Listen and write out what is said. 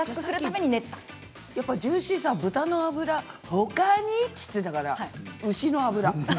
ジューシーさ豚の脂、ほかにと言っていたから牛の脂。